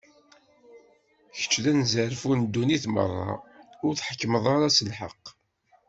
Kečč, anezzarfu n ddunit meṛṛa, ur tḥekkmeḍ ara s lḥeqq?